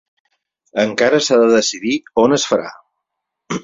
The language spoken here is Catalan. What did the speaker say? Encara s’ha de decidir on es farà.